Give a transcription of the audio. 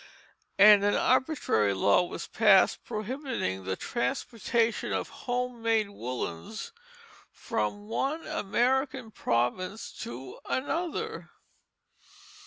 and an arbitrary law was passed prohibiting the transportation of home made woollens from one American province to another.